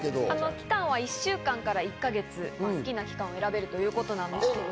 期間は１週間から１か月、好きな期間を選べるということなんです。